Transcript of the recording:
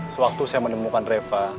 sewaktu saya menemukan reva